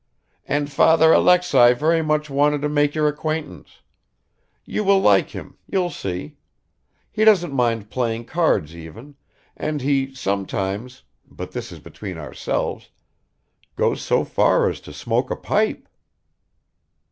"And Father Alexei very much wanted to make your acquaintance. You will like him, you'll see. He doesn't mind playing cards even, and he sometimes but this is between ourselves goes so far as to smoke a pipe."